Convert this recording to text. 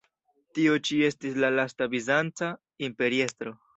Tio ĉi estis la lasta bizanca imperiestro.